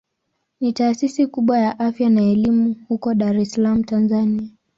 Ni taasisi kubwa ya afya na elimu ya afya huko Dar es Salaam Tanzania.